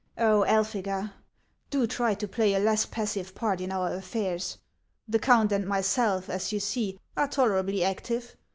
" Oil, Elphega, do try to play a less passive part in our affairs. The count and myself, as you see, are tolerably active.